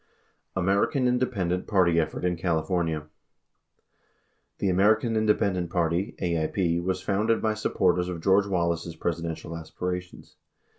American Independent Party Effort in California: The American Independent Party (AIP) was founded by supporters of George Wallace's Presidential aspirations.